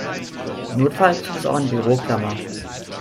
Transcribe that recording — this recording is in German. Notfalls tut es auch eine Büroklammer.